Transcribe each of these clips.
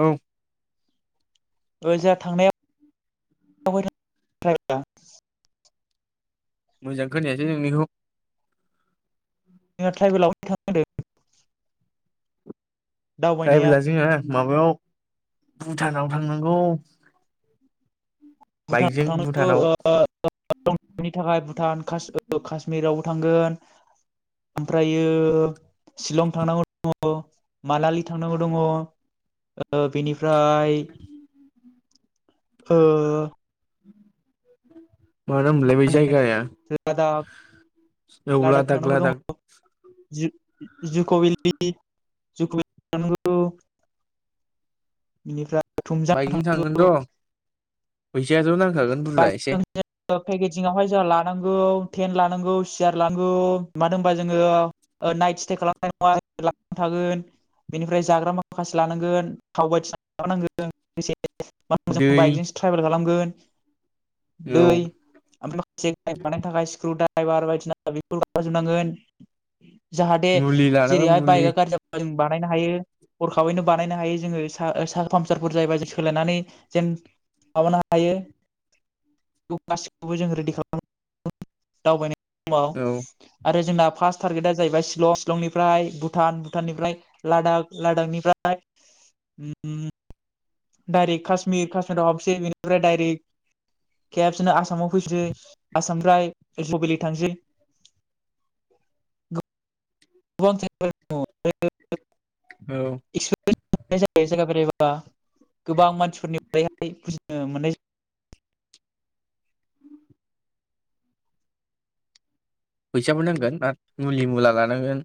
औ ओजों थांनायाव मोजां खोनायासै नोंनिखौ जोंहा ट्राइबेलावखदों [unintelligible] [unintelligible] माबायाव भुटानाव थांनांगौ बाइकजों भुटानाव नि थाखाय भुटान कश्मिरावबो थांगोन ओमफ्रायो शिलं थांनांगौ दङ मानालि थांनांगौ दङ ओ बेनि फ्राय ओ [inaudible] मा नाममोनलाय बै लादाख जायगाया औ लादाख थांनांगौ दङ लादाख [unintelligible] थुमजां बाइकजों थांनांगौ थांगोनथ' फैसायाथ' नांखागोन बुरजा बाइक एसे जों फेकिजिंआव हाय जा लानांगौ थेन लानांगौ नांगौ सियार लांगौ मा होनबा जोङो नाइट स्टे खालामनाय नङा ल थागोन बेनिफ्राय जाग्रा माखासे लानांगोन थाव बायदिना खालामानांगोन मा मोजां दै बाइकजोंसो ट्रेभेल खालामगोन [inaudible] दै औ मफ्राय माखासे गाय बानायनायनि थाखाय स्क्रु द राइभार बायदिसिना बेल खालामजोबनांगोन जाहाथे मुलि लानांगोन जेरैहाय मुलि बाइकआ गाज्रि जाब बानायनो हायो हरखाबैनो बानायनो हायो जोङो पामसारफोर जायोबा ज सोलायनानै जेन माबानो हायो गासिखौबो जों रेडि खालाम दावबाय दाव औ आरो जोंना फास टारगेटा जाहैबाय शलं शिलंनिफ्राय भुटान भुटाननिफ्राय लादाख लादाखनिफ्राय डायरेक्ट कश्मिर काश्मिराव हाबसै बिनिफ्राय डायरेक्ट खबसनो आसामाव फैनोसै आसामनिफ्राय बुबेलि थांसै [unintelligible] [unintelligible] औ [unintelligible] गोबां मानसिफोरनि बारैहाय बुजिनो मोननाय जायो फैसाबो नांगोन आरो मुलि मुला लानांगोन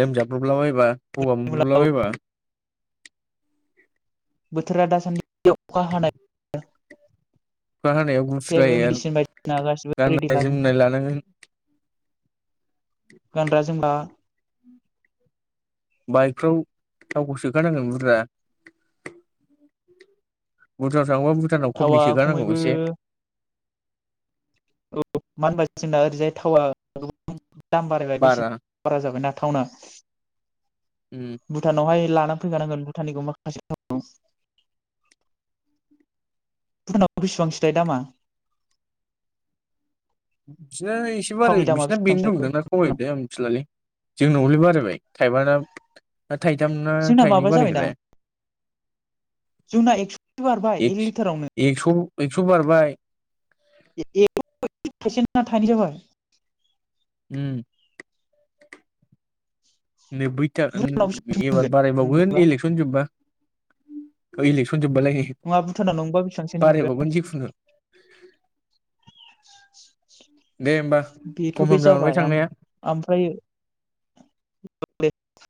रोजा ब्रबलाबायबा जायो [unintelligible] बोथोरा दासान्दि बे अखा हानाय अखा हानायाव गुसु जेबो जायो आरो मेडिसिन बायदिसिना गासिबो रेडि गाननाय लादों जोमनाय लानांगोन गानग्रा जोमग्रा बाइकफ्राव थावखौ सोखानांगोन बुरजा बुरजा थाङबा भुटानाव थावा खमनि सोखानांगौ खमैबो एसे औ मा होनबा जोंना ओरैजाय थावा दाम बारायबाय बेसे बारा बारा जाबायना थावनो उम भुटानावहाय फैखानांगोन भुटानखौ माखासे भुटानाव बिसेबांसोथायाइ दामा उ बिसोरना एसे बाराय थावनि दामा बिसिोरना बेनो ददोंना बेसेबांसो खमायदो मिथिलालै जोंनावलै बाराय थाइब ना थाइथाम ना जोंना थाइनै माबा जाबायना बारायगलाय जोंना एकस'सो बारबाय एक एक्स लिटारावनो एक्स' एक्स' बारबाय [unintelligible] ना थाइनि जाबाय उम। नोब्बैथा भुटानाव बेसेबांसो एबार मोनगोन बारायबावगोन नोंनिबा इलेकसन जोबबा [unintelligible] जोबबालाय नङा भुटानाव नंबा बेसेबांसोनि मोनगोन बारायबावगोन जिखुनु। दे होमबा [inaudible] बेथ' बे खमफ्राम जालांबाय जाबाय थांनाया ओमफ्राय [unintelligible]